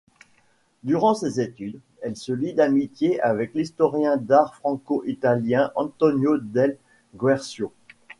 Durant ses études, elle se lie d’amitié avec l’historien d’art franco-italien, Antonio Del Guercio.